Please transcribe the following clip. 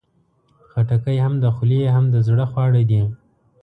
خټکی هم د خولې، هم د زړه خواړه دي.